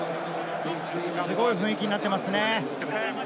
すごい雰囲気になっていますね。